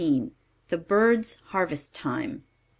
THE BIRDS' HARVEST TIME.